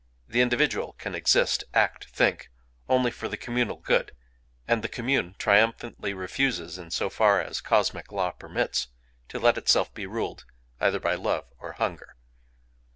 The individual can exist, act, think, only for the communal good; and the commune triumphantly refuses, in so far as cosmic law permits, to let itself be ruled either by Love or Hunger.